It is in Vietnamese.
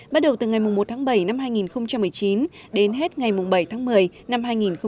bắt đầu từ ngày một tháng bảy năm hai nghìn một mươi chín đến hết ngày bảy tháng một mươi năm hai nghìn hai mươi